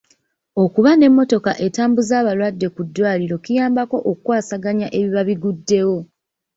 Okuba n'emmotoka etambuza abalwadde ku ddwaliro kiyambako okukwasaganya ebiba biguddewo.